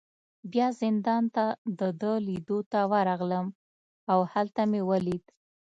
بیا زندان ته د ده لیدو ته ورغلم، او هلته مې ولید.